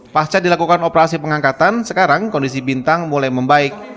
pasca dilakukan operasi pengangkatan sekarang kondisi bintang mulai membaik